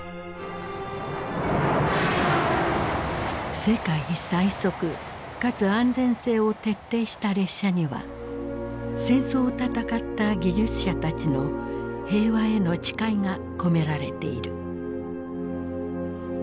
世界最速かつ安全性を徹底した列車には戦争を戦った技術者たちの平和への誓いが込められている。